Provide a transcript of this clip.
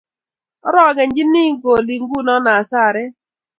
orokenchini kolik nguni hasaret